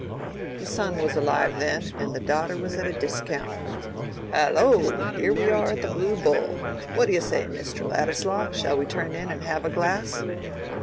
The son was alive then, and the daughter was at a discount. Hallo! here we are at the Blue Bull. What do you say, Mr. Ladislaw?—shall we turn in and have a glass?"